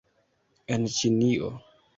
- En Ĉinio